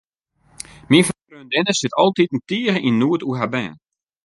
Myn freondinne sit altiten tige yn noed oer har bern.